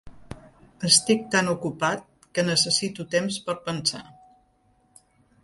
Estic tan ocupat que necessito temps per pensar.